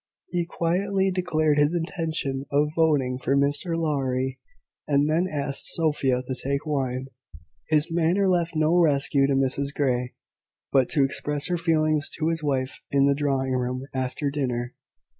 He quietly declared his intention of voting for Mr Lowry, and then asked Sophia to take wine. His manner left no resource to Mrs Grey but to express her feelings to his wife in the drawing room, after dinner.